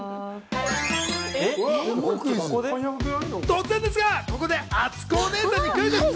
突然ですがここで、あつこ姉さんにクイズッス。